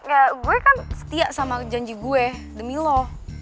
ya gue kan setia sama janji gue demi loh